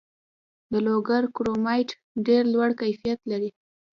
د لوګر کرومایټ ډیر لوړ کیفیت لري.